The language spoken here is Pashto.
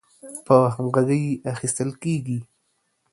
په همغږۍ اخیستل کیږي